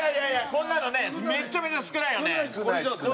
こんなのねめちゃめちゃ少ないよねこんなのじゃ！